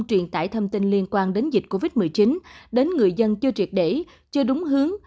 truyền tải thông tin liên quan đến dịch covid một mươi chín đến người dân chưa triệt để chưa đúng hướng